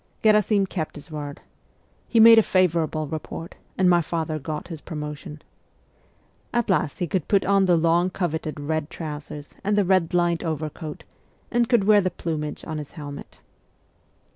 Gherasim kept his word : he made a favourable report, and my father got his promotion. At last he could put on the long coveted red trousers and the red lined overcoat, and could wear the plumage on his helmet.